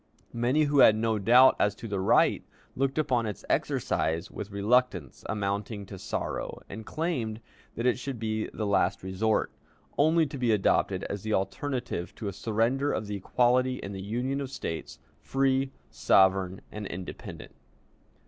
Many who had no doubt as to the right, looked upon its exercise with reluctance amounting to sorrow, and claimed that it should be the last resort, only to be adopted as the alternative to a surrender of the equality in the Union of States, free, sovereign, and independent.